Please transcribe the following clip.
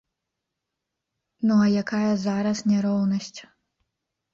Ну а якая зараз няроўнасць?